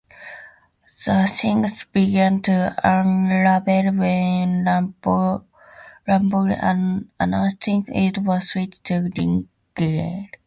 Then things began to unravel when Lamborghini announced it was switching to Ligier.